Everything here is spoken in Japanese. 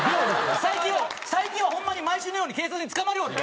最近は最近はホンマに毎週のように警察に捕まりおる！